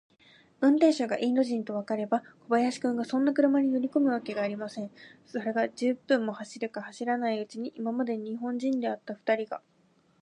運転手がインド人とわかれば、小林君がそんな車に乗りこむわけがありません。それが、十分も走るか走らないうちに、今まで日本人であったふたりが、